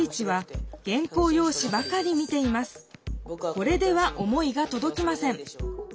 これでは思いが届きません。